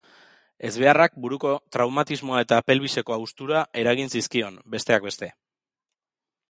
Ezbeharrak buruko traumatismoa eta pelbiseko haustura eragin zizkion, besteak beste.